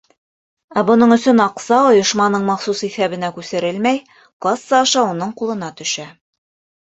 Ә бының өсөн аҡса ойшманың махсус иҫәбенә күсерелмәй, касса аша уның ҡулына төшә.